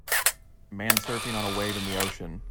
man surfing on a wave in the ocean